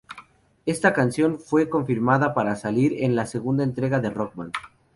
Esta canción fue confirmada para salir en la segunda entrega de Rock Band.